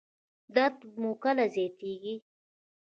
درد مو کله زیاتیږي؟